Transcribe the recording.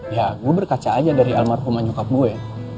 ya gue berkaca aja dari almarhumah nyokap gue